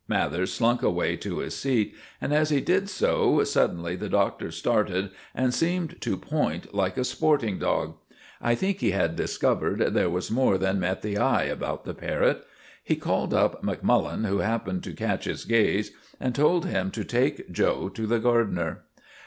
Mathers slunk away to his seat, and as he did so, suddenly the Doctor started and seemed to 'point,' like a sporting dog. I think he had discovered there was more than met the eye about the parrot. He called up Macmullen, who happened to catch his gaze, and told him to take 'Joe' to the gardener.